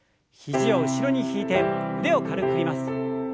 肘を後ろに引いて腕を軽く振ります。